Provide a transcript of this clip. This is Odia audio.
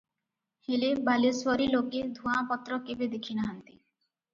ହେଲେ ବାଲେଶ୍ୱରୀ ଲୋକେ ଧୂଆଁପତ୍ର କେବେ ଦେଖି ନାହାନ୍ତି ।